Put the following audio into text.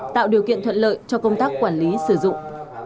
tạo điều kiện thuận lợi cho công tác quản lý sử dụng